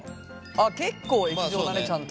あっ結構液状だねちゃんと。